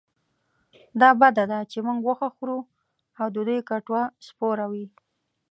دا بده ده چې موږ غوښه خورو او د دوی کټوه سپوره وي.